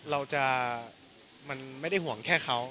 เราจะมันไม่ได้ห่วงแค่เขา